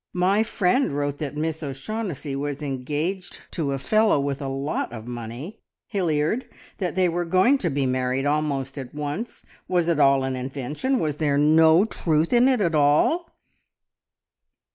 My friend wrote that Miss O'Shaughnessy was engaged to a fellow with a lot of money Hilliard that they were going to be married almost at once. Was it all an invention? Was there no truth in it at all?"